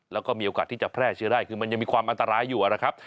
แล้วก็มีโอกาสที่จะแพร่เชื้อได้คือมันยังมีความอันตรายอยู่นะครับ